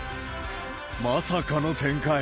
まさかの展開。